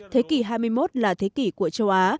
thế kỷ hai mươi một là thế kỷ của châu á